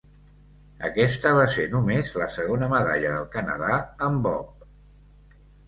Aquesta va ser només la segona medalla del Canadà en bob.